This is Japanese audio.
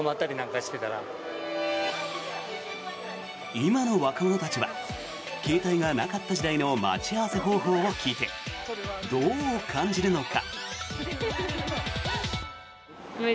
今の若者たちは携帯がなかった時代の待ち合わせ方法を聞いてどう感じるのか。